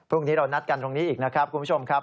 พรุ่งนี้เรานัดกันตรงนี้อีกนะครับคุณผู้ชมครับ